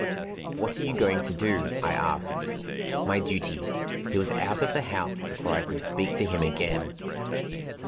"What are you going to do?" I asked. "My duty." He was out of the house before I could speak to him again.